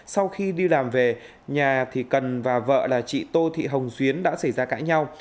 sau khi đi làm về nhà thì cần và vợ là chị tô thị hồng xuyến đã xảy ra cãi nhau